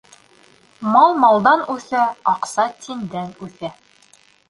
Мал малдан үҫә, аҡса тиндән үҫә.